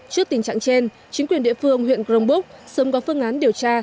trước tình trạng trên chính quyền địa phương huyện grongbuc sớm có phương án điều tra